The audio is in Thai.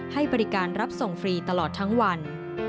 ให้บริการรับส่งฟรีตลอดทั้งวัน